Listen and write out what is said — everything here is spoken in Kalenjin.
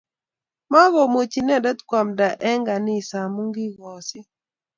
Makomuchi inendet koamnda eng kanisa amu kikoosit